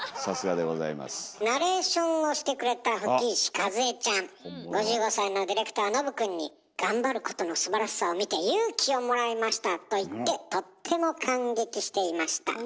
ナレーションをしてくれた吹石一恵ちゃん５５歳のディレクターのぶ君に頑張ることのすばらしさを見て勇気をもらいましたと言ってとっても感激していました。